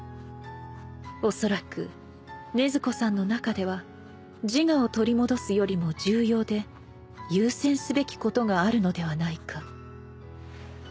「おそらく禰豆子さんの中では自我を取り戻すよりも重要で優先すべきことがあるのではないか」